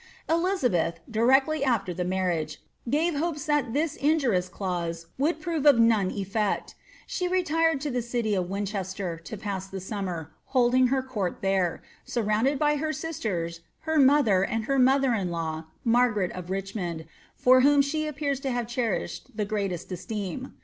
Elizabeth, directly after the marriage, gave hopes that this injuriov clause would prove of none eflfect She retired to the city of Winchet ter, to pass the summer, holding her court there, surrounded by he sisters, her mother, and her mother in law, Maigaret of Richmond, fc whom she appears to have cherished the greatest esteem.